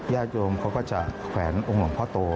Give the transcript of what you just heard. ญาติโยมเขาก็จะแขวนองค์หลวงพ่อโต